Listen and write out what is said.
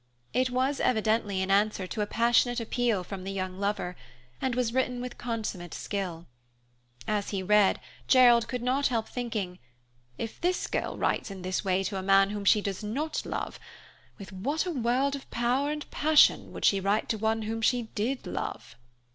It was evidently an answer to a passionate appeal from the young lover, and was written with consummate skill. As he read, Gerald could not help thinking, If this girl writes in this way to a man whom she does not love, with what a world of power and passion would she write to one whom she did love.